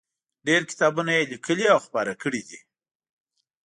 ډېر کتابونه یې لیکلي او خپاره کړي دي.